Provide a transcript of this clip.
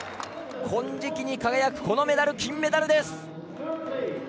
金色に輝くこのメダル、金メダルです。